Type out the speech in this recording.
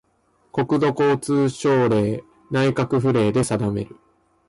国土交通省令・内閣府令で定める